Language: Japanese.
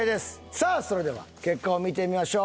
さあそれでは結果を見てみましょう。